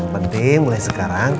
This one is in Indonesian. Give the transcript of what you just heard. penting mulai sekarang